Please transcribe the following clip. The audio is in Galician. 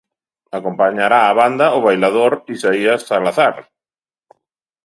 Acompañará a banda o bailador Isaías Salazar.